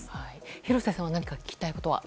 廣瀬さんは何か聞きたいことは？